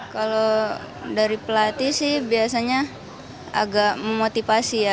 kalau dari pelatih sih biasanya agak memotivasi ya